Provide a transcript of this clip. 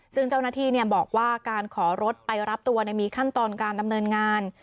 ซึ่งเจ้าหน้าที่บอกว่าการขอรถไปรับตัวมีขั้นตอนการดำเนินงาน